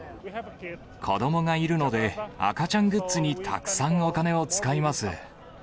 子どもがいるので、赤ちゃんグッズにたくさんお金を使います。